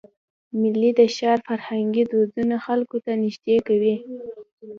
میلې د ښار فرهنګي دودونه خلکو ته نږدې کوي.